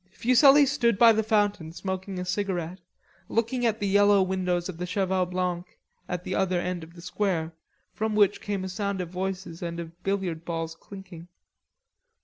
Fuselli stood by the fountain smoking a cigarette, looking at the yellow windows of the Cheval Blanc at the other end of the square, from which came a sound of voices and of billiard balls clinking.